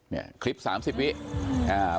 นี่คลิป๓๐วินาที